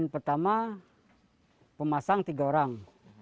pertama pemukul tiga orang